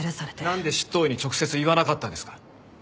なんで執刀医に直接言わなかったんですか？